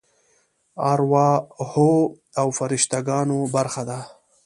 ارواحو او فرشته ګانو برخه ده.